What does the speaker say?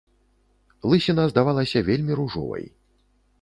Лысіна здавалася вельмі ружовай.